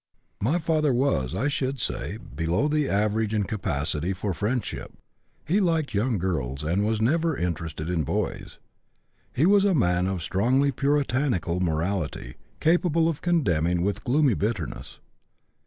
"My father was, I should say, below the average in capacity for friendship. He liked young girls, and was never interested in boys. He was a man of strongly Puritanical morality, capable of condemning with gloomy bitterness.